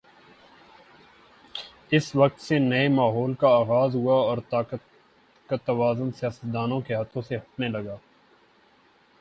اس وقت سے نئے ماحول کا آغاز ہوا اور طاقت کا توازن سیاستدانوں کے ہاتھوں سے ہٹنے لگا۔